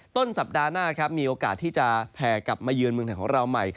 ต้นสัปดาห์หน้าครับมีโอกาสที่จะแผ่กลับมาเยือนเมืองไทยของเราใหม่